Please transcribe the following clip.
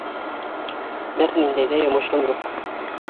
Бер ниндәй ҙә йомошом юҡ.